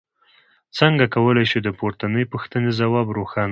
څنګه کولی شئ د پورتنۍ پوښتنې ځواب روښانه کړئ.